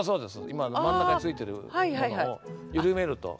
今真ん中についてるものを緩めると。